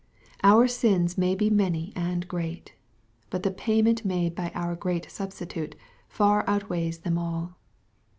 Our sins may be many and great, but the payment made by our Great Substitute far out weighs them all.